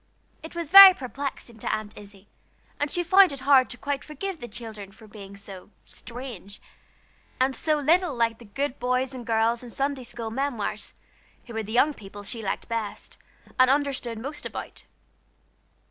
It was very perplexing to Aunt Izzie, and she found it hard to quite forgive the children for being so "unaccountable," and so little like the good boys and girls in Sunday school memoirs, who were the young people she liked best, and understood most about.